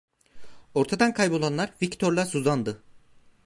Ortadan kaybolanlar Viktor'la Suzan'dı…